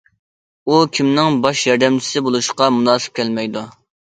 ئۇ كېمىنىڭ باش ياردەمچىسى بولۇشقا مۇناسىپ كەلمەيدۇ.